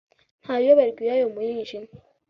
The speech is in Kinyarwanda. Ntayo iyoberwa iyayo mu mwijima